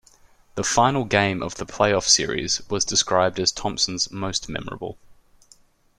The final game of the playoff series was described as Thompson's most memorable.